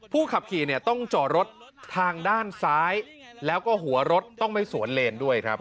ขับขี่เนี่ยต้องจอดรถทางด้านซ้ายแล้วก็หัวรถต้องไม่สวนเลนด้วยครับ